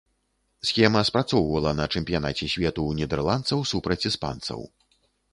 Схема спрацоўвала на чэмпіянаце свету ў нідэрландцаў супраць іспанцаў.